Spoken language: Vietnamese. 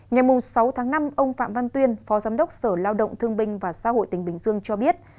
ngày sáu tháng năm ông phạm văn tuyên phó giám đốc sở lao động thương binh và xã hội tỉnh bình dương cho biết